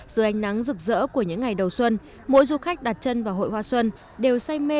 dưới ánh nắng rực rỡ của những ngày đầu xuân mỗi du khách đặt chân vào hội hoa xuân đều say mê